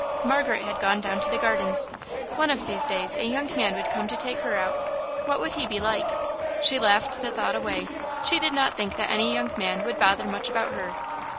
Margaret had gone down to the Gardens. One of these days a young man would come to take her out. What would he be like? She laughed the thought away. She did not think that any young man would bother much about her.